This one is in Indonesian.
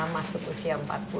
masuk usia empat puluh